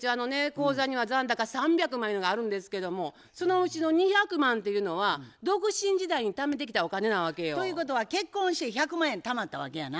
口座には残高３００万ゆうのがあるんですけどもそのうちの２００万っていうのは独身時代にためてきたお金なわけよ。ということは結婚して１００万円たまったわけやな。